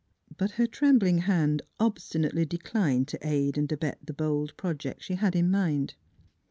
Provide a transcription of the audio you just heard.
But her trembling hand obstinately declined to aid and abet the bold project she had in mind.